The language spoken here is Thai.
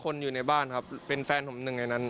อยู่ในบ้านครับเป็นแฟนผมหนึ่งในนั้น